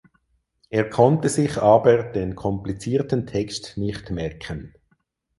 Er konnte sich aber den komplizierten Text nicht merken.